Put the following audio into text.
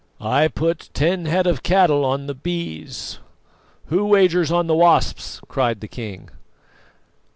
"I put ten head of cattle on the Bees; who wagers on the Wasps?" cried the king.